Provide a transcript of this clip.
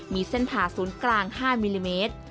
มีเส้นผ่าศูนย์กลาง๕มิลลิเมตร